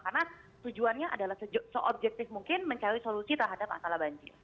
karena tujuannya adalah seobjektif mungkin mencari solusi terhadap masalah banjir